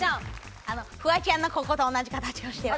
フワちゃんのここと同じ形をしてる。